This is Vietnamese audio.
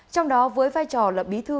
trong đó với vai trò lập bí thư